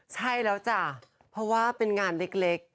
ใช่แล้วจ้ะเพราะว่าเป็นงานเล็ก